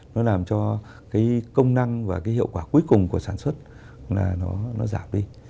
nó làm cho cái công năng và cái hiệu quả cuối cùng của sản xuất là nó giảm đi